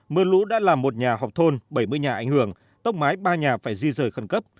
mưa lũ đã làm một nhà họp thôn bảy mươi nhà ảnh hưởng tốc mái ba nhà phải di rời khẩn cấp